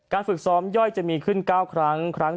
จุดฝึกซ้อมย่อยมีขึ้น๙ครั้ง